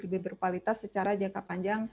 lebih berkualitas secara jangka panjang